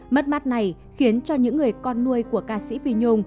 mất mát này khiến cho những người con nuôi của ca sĩ phi nhung